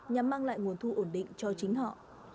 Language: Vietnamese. nhằm mang lại nguồn thu ổn định cho chính họ